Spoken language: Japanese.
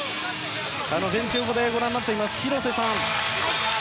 ベンチ横でご覧になっています広瀬さん